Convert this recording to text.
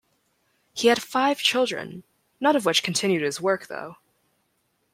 He had five children, none of which continued his work, though.